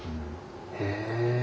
へえ。